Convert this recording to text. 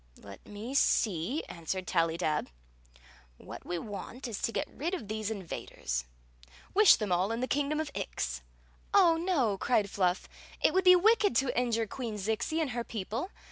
"Let me see," answered Tallydab. "What we want is to get rid of these invaders. Wish them all in the kingdom of Ix." " Oh, no !" cried Fluff ;" it would be wicked to injure Queen Zixi and her people.